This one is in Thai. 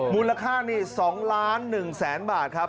มูลค่านี้๒๑ล้านบาทครับ